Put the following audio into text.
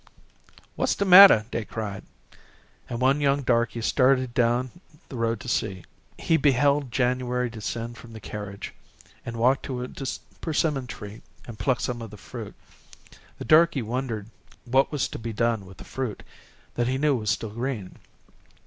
"What's de mattah?" they cried, and one young darky started down the road to see. He beheld January descend from the carriage, and walk to a persimmon tree and pluck some of the fruit. The darky wondered what was to be done with the fruit that he knew was still green.